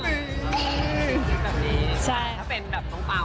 พี่จินแบบนี้ถ้าเป็นแบบน้องเปล่า